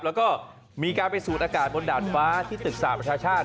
แล้วก็มีการไปสูดอากาศบนดาบฟ้าที่ตึกสาปรัชชาชน์นะครับ